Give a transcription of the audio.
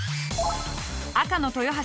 赤の豊橋